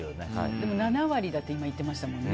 でも７割だって言っていましたね。